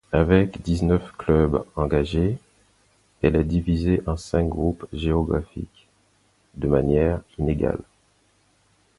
Avec dix-neuf clubs engagés, elle est divisée en cinq groupes géographiques, de manière inégale.